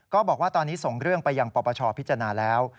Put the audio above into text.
ก็บอกว่าตอนนี้ส่งเรื่องไปยังปปชพิจารณาแล้ว